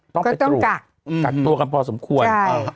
ต้องไปตรวจกักตัวกันพอสมควร